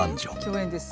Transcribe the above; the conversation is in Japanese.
共演です。